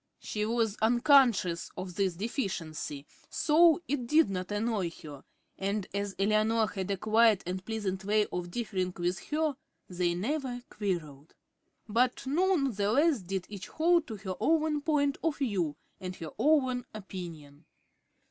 She was unconscious of this deficiency, so it did not annoy her, and as Eleanor had a quiet and pleasant way of differing with her, they never quarrelled. But none the less did each hold to her own point of view and her own opinion.